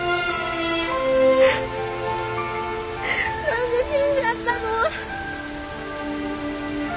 何で死んじゃったの？